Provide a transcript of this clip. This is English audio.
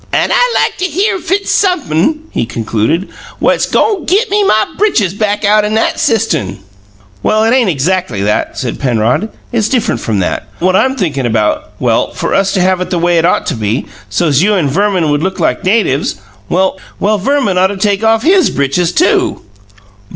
"An' I like to hear if it's sump'm'," he concluded, "what's go' git me my britches back outen 'at cistern!" "Well, it ain't exackly that," said Penrod. "It's different from that. What I'm thinkin' about, well, for us to have it the way it ought to be, so's you and Verman would look like natives well, Verman ought to take off his britches, too."